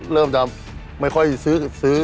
เริ่มจะไม่ค่อยซื้อ